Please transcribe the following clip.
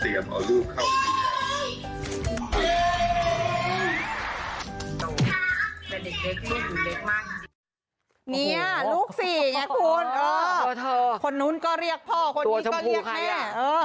ลูกสี่ไงคุณคนนู้นก็เรียกพ่อคนนี้ก็เรียกแม่